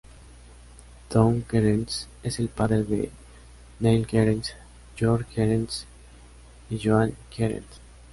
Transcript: Tom Gehrels es el padre de Neil Gehrels, George Gehrels y Jo-Ann Gehrels.